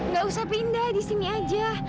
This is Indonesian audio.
gak usah pindah disini aja